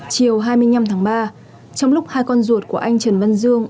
chiều hai mươi năm tháng ba trong lúc hai con ruột của anh trần văn dương